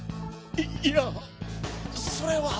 いいやそれは。